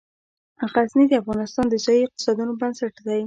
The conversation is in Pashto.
غزني د افغانستان د ځایي اقتصادونو بنسټ دی.